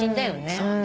そうね。